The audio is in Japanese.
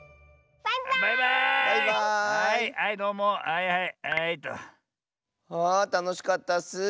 あたのしかったッス。